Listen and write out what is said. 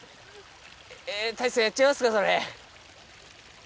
えぇ太一さんやっちゃいますかそれ。